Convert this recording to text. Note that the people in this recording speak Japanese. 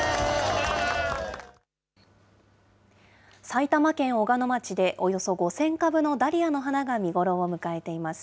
埼玉県小鹿野町で、およそ５０００株のダリアの花が見頃を迎えています。